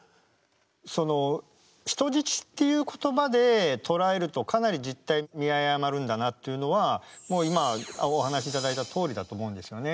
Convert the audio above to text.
その人質っていう言葉で捉えるとかなり実態を見誤るんだなっていうのはもう今お話しいただいたとおりだと思うんですよね。